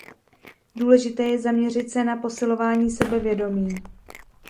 Důležité je zaměřit se na posilování sebevědomí.